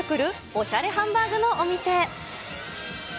おしゃれハンバーグのお店。